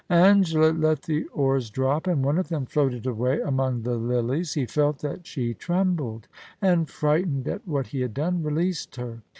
Angela let the oars drop, and one of them floated away among the lilies. He felt that she trembled, and frightened at what he had done, released her.